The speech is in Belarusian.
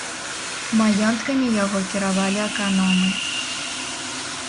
Маёнткамі яго кіравалі аканомы.